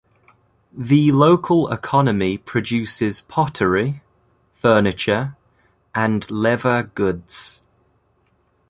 The local economy produces pottery, furniture, and leather goods.